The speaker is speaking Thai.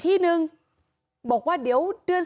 มีเรื่องอะไรมาคุยกันรับได้ทุกอย่าง